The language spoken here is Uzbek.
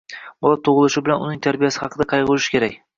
Bola tug‘ilishi bilan uning tarbiyasi haqida qayg‘urish kerak